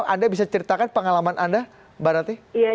anda bisa ceritakan pengalaman anda mbak rati